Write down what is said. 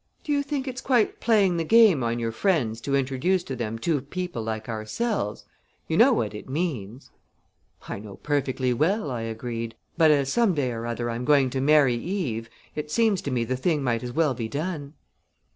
Do you think it's quite playing the game on your friends to introduce to them two people like ourselves? You know what it means." "I know perfectly well," I agreed; "but, as some day or other I'm going to marry Eve, it seems to me the thing might as well be done."